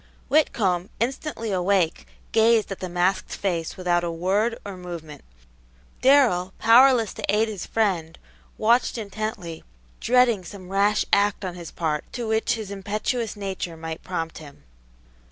Whitcomb, instantly awake, gazed at the masked face without a word or movement. Darrell, powerless to aid his friend, watched intently, dreading some rash act on his part to which his impetuous nature might prompt him.